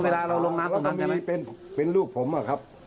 เวลาเราลงน้ำตรงนั้นใช่ไหมแล้วก็มีเป็นเป็นลูกผมอ่ะครับ